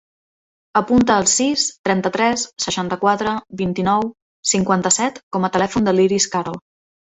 Apunta el sis, trenta-tres, seixanta-quatre, vint-i-nou, cinquanta-set com a telèfon de l'Iris Carol.